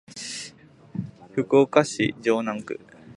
福岡市城南区